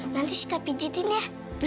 nanti sita pijetin ya